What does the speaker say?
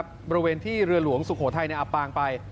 บริเวณที่เรือหลวงสุโขทัยอับปางไป